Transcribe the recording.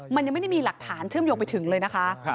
มันยังไม่ได้มีหลักฐานเชื่อมโยงไปถึงเลยนะคะ